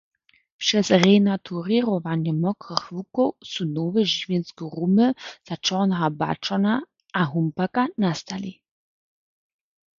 Přez renaturěrowanje mokrych łukow su nowe žiwjenske rumy za čorneho baćona a humpaka nastali.